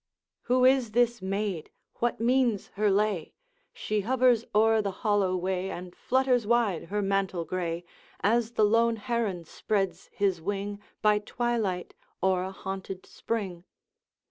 'Who is this maid? what means her lay? She hovers o'er the hollow way, And flutters wide her mantle gray, As the lone heron spreads his wing, By twilight, o'er a haunted spring.'